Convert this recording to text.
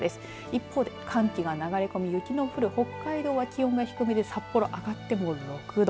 一方で寒気が流れ込む雪の降る北海道は気温が低めで札幌上がっても６度。